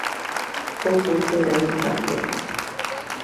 Jofo jerai rafode